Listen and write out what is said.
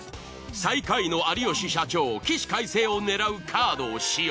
最下位のありよし社長起死回生を狙うカードを使用。